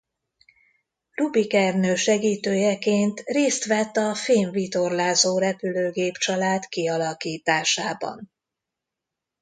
Rubik Ernő segítőjeként részt vett a fém-vitorlázó repülőgép család kialakításában.